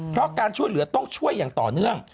เพราะการช่วยเหลือต้องช่วยอย่างต่อเนื่อง